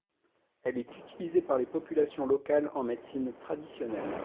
Elle est utilisée par les populations locales en médecine traditionnelle.